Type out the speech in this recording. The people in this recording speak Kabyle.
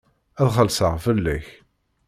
Ad xellṣeɣ fell-ak.